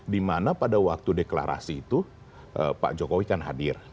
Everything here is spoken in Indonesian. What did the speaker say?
dimana pada waktu deklarasi itu pak jokowi kan hadir